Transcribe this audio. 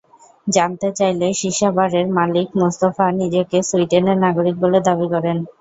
জানতে চাইলে সিসা বারের মালিক মোস্তফা নিজেকে সুইডেনের নাগরিক বলে দাবি করেন।